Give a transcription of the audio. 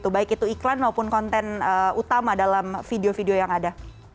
baik itu iklan maupun konten utama dalam video video yang ada